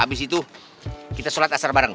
habis itu kita sholat asar bareng